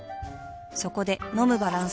そこで飲むバランス栄養食